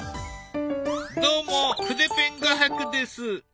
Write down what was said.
どうも筆ペン画伯です。